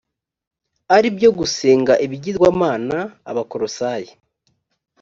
ari byo gusenga ibigirwamana abakolosayi